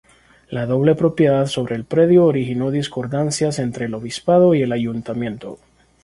La doble propiedad sobre el predio originó discordancias entre el Obispado y el Ayuntamiento.